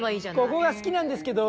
ここが好きなんですけど。